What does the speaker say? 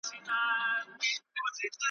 او د احاديثو د علم درسونه مي